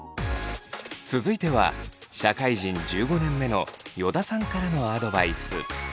続いては社会人１５年目の依田さんからのアドバイス。